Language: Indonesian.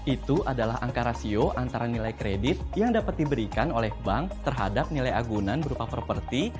itu adalah angka rasio antara nilai kredit yang dapat diberikan oleh bank terhadap nilai agunan berupa properti